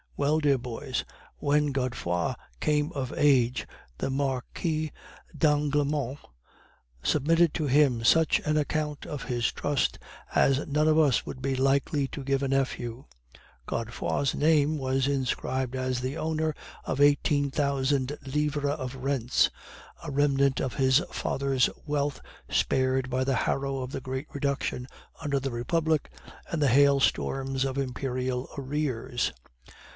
Well, dear boys, when Godefroid came of age, the Marquis d'Aiglemont submitted to him such an account of his trust as none of us would be likely to give a nephew; Godefroid's name was inscribed as the owner of eighteen thousand livres of rentes, a remnant of his father's wealth spared by the harrow of the great reduction under the Republic and the hailstorms of Imperial arrears.